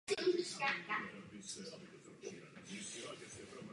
Bitva znamenala zásadní zlom v průběhu třicetileté války.